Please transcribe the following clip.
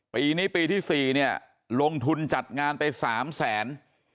ปีนี้ปีที่๔เนี่ยลงทุนจัดงานไป๓แสน